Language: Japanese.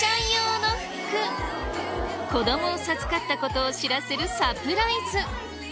子供を授かった事を知らせるサプライズ。